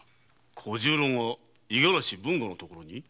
小十郎が五十嵐豊後の所に？